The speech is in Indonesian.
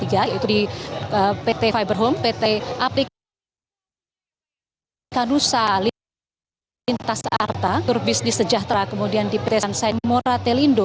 yaitu di pt fiber home pt aplikasi kanusa lintas arta turbis di sejahtera kemudian di pt sansai moratelindo